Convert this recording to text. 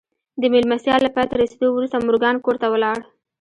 د مېلمستیا له پای ته رسېدو وروسته مورګان کور ته ولاړ